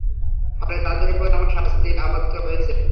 ফলে তাদের উপর আমার শাস্তি আপতিত হয়েছে।